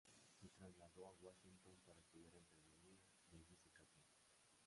Se trasladó a Washington para estudiar enfermería y allí se casó.